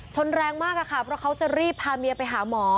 แรงมากอะค่ะเพราะเขาจะรีบพาเมียไปหาหมอ